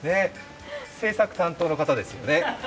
制作担当の方ですよね。